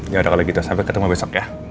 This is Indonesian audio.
yaudah kalau gitu sampai ketemu besok ya